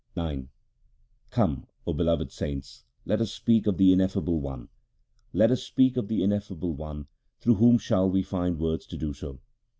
IX Come, O beloved saints, let us speak of the Ineffable One ; Let us speak of the Ineffable One ; through whom shall we find words to do so.